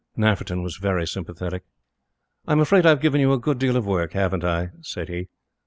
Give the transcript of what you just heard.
Nafferton was very sympathetic. "I'm afraid I've given you a good deal of trouble, haven't I?" said he.